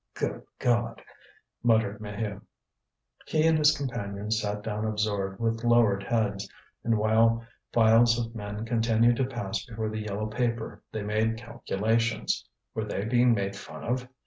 "Good God!" muttered Maheu. He and his companions sat down absorbed, with lowered heads, and while files of men continued to pass before the yellow paper they made calculations. Were they being made fun of?